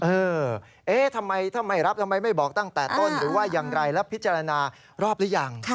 เออทำไมรับทำไมไม่บอกตั้งแต่ต้นหรือว่ายังไงแล้วพิจารณารอบหรือยัง